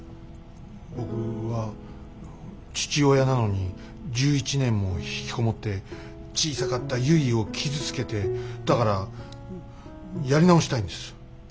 僕は父親なのに１１年もひきこもって小さかったゆいを傷つけてだからやり直したいんです。